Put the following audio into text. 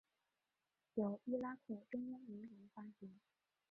由伊拉克中央银行发行。